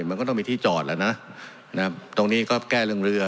มันก็ต้องมีที่จอดแล้วนะตรงนี้ก็แก้เรื่องเรือ